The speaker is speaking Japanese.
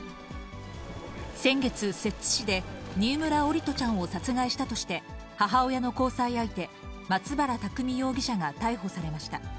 先月、摂津市で新村桜利斗ちゃんを殺害したとして、母親の交際相手、松原拓海容疑者が逮捕されました。